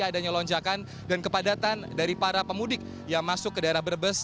adanya lonjakan dan kepadatan dari para pemudik yang masuk ke daerah brebes